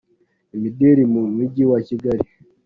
imideli mu Mujyi wa Kigali.